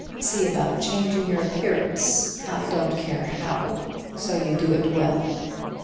See about changing your appearance I don't care how, so you do it well.